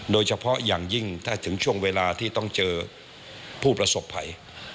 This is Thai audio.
โดยเฉพาะอย่างยิ่งถ้าถึงช่วงเวลาที่ต้องเจอผู้ประสบภัย